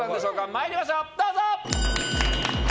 参りましょう、どうぞ！